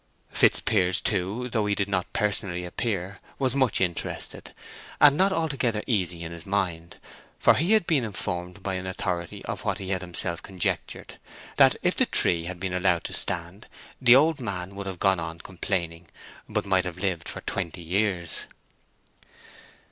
Fitzpiers too, though he did not personally appear, was much interested, and not altogether easy in his mind; for he had been informed by an authority of what he had himself conjectured, that if the tree had been allowed to stand, the old man would have gone on complaining, but might have lived for twenty years.